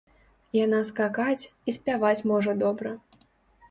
Яна скакаць і спяваць добра можа.